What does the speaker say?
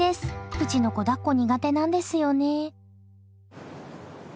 うちの子だっこ苦手なんですよね。